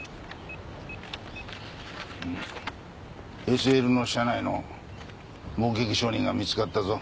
ＳＬの車内の目撃証人が見つかったぞ。